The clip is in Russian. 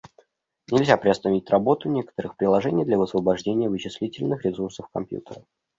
Нельзя приостановить работу некоторых приложений для высвобождения вычислительных ресурсов компьютера